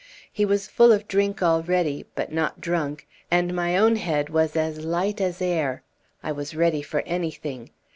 He was full of drink already, but not drunk, and my own head was as light as air. I was ready for anything.